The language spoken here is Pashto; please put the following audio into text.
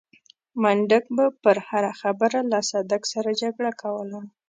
منډک به پر هره خبره له صدک سره جګړه کوله.